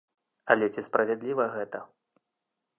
Але ці справядліва гэта?